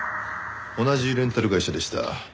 同じレンタル会社でした。